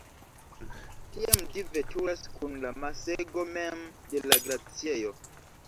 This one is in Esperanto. Tiam ĝi veturas kun la masego mem de la glaciejo.